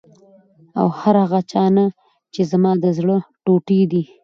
او هر هغه چا نه چې زما د زړه ټوټې دي،